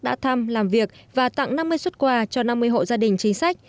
đã thăm làm việc và tặng năm mươi xuất quà cho năm mươi hộ gia đình chính sách